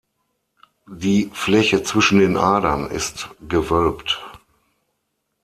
Die Fläche zwischen den Adern ist gewölbt.